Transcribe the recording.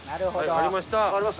ありました？